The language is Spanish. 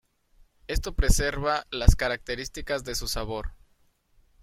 Esto preserva las características de su sabor.